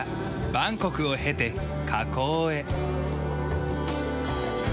バンコクを経て河口へ。